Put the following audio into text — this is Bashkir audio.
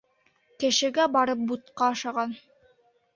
Кешегә барып бутҡа ашаған.